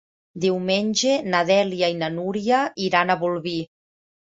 Diumenge na Dèlia i na Núria iran a Bolvir.